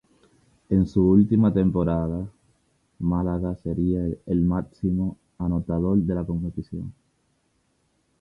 En su última temporada en Málaga sería el máximo anotador de la competición.